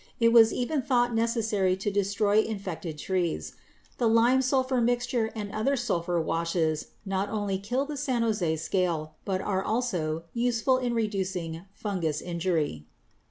It was even thought necessary to destroy infected trees. The lime sulphur mixture and some other sulphur washes not only kill the San Jose scale but are also useful in reducing fungous injury.